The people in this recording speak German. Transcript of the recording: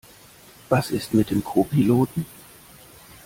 Was ist mit dem Co-Piloten?